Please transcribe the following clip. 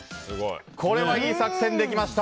これはいい作戦でいきました。